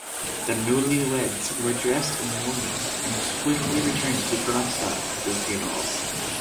The newlyweds were dressed in mourning and swiftly returned to Darmstadt for the funerals.